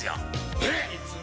えっ！